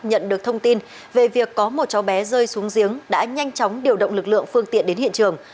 nhận được thông tin về việc có một cháu bé rơi xuống giếng đã nhanh chóng điều động lực lượng phương tiện đến hiện trường